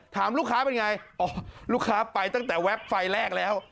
ถามลูกค้าเป็นไงอ๋อลูกค้าไปตั้งแต่แป๊บไฟแรกแล้ว